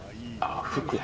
服や。